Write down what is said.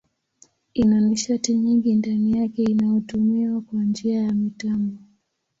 Ina nishati nyingi ndani yake inayotumiwa kwa njia ya mitambo.